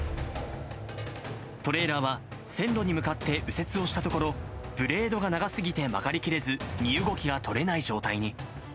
トレーラーは線路に向かって右折をしたところ、ブレードが長すぎて曲がりきれず、身動きが取れない状態に。